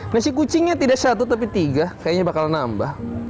nasi kucingnya tidak satu tapi tiga kayaknya bakal nambah